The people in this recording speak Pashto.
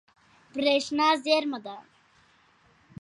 برېښنا زیرمه ده.